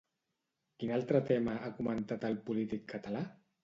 Quin altre tema ha comentat el polític català?